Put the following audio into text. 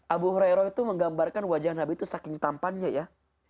abu horayroh itu menggambarkan wajah nabi itu saking tampannya ya